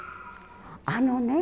あのね